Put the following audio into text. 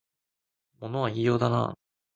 物は言いようだなあ